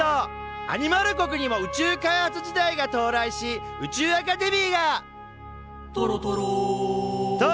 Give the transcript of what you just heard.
アニマル国にも宇宙開発時代が到来し宇宙アカデミーが「とろとろー！」と誕生。